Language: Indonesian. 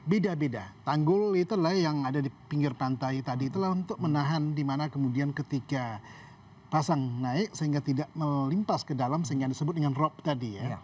beda beda tanggul itulah yang ada di pinggir pantai tadi itulah untuk menahan di mana kemudian ketika pasang naik sehingga tidak melimpas ke dalam sehingga disebut dengan rop tadi ya